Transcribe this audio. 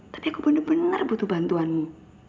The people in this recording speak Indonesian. tapi aku bener bener butuh bantuanmu